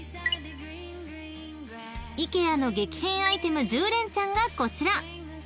［ＩＫＥＡの激変アイテム１０連ちゃんがこちら］